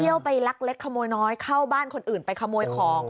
ไปลักเล็กขโมยน้อยเข้าบ้านคนอื่นไปขโมยของ